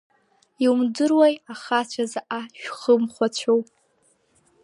Иумдыруеи ахацәа заҟа шәхымхәацәоу.